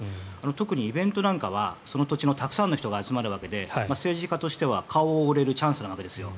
特にイベントなんかはその土地のたくさんの人が集まるわけで政治家としては顔を売れるチャンスなわけです。